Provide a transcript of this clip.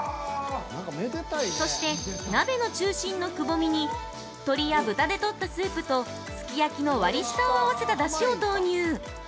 そして、鍋の中心のくぼみに鶏や豚で取ったスープと、すき焼きの割下を合わせただしを投入！